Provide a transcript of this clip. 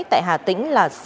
tại hà tĩnh là sáu